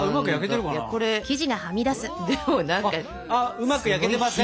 うまく焼けてません